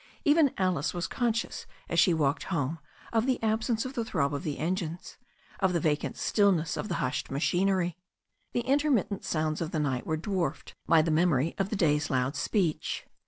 Even Alice was conscious as she walked home of the absence of the throb of the engines, of the vacant stillness of the hushed machinery. The inter mittent sounds of the night were dwarfed by the memory of the day's loud speech.